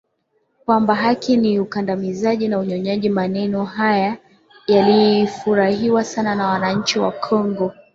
kwamba haki ni ukandamizaji na unyonyaji Maneno haya yalifurahiwa sana na wananchi wa Kongo